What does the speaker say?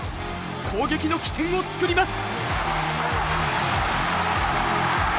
攻撃の起点を作ります！